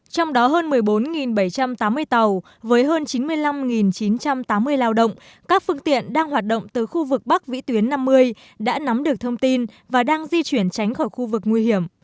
trong đó hơn một mươi bốn bảy trăm tám mươi tàu với hơn chín mươi năm chín trăm tám mươi lao động các phương tiện đang hoạt động từ khu vực bắc vĩ tuyến năm mươi đã nắm được thông tin và đang di chuyển tránh khỏi khu vực nguy hiểm